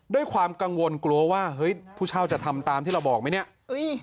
ด้วยความกังวลกลัวว่าเฮ้ยผู้เช่าจะทำตามที่เราบอกไหมเนี่ย